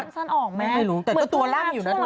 ไม่มันออกแม่อยู่ตัวล่าง